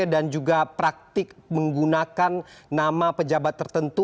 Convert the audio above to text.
dan juga praktik menggunakan nama pejabat tertentu